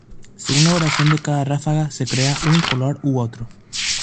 Según la duración de cada ráfaga, se crea un color u otro.